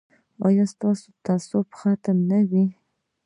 ایا ستاسو تعصب به ختم نه وي؟